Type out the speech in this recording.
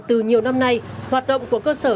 từ nhiều năm nay hoạt động của cơ sở